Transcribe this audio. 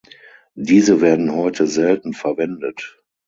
Diese werden heute selten verwendet.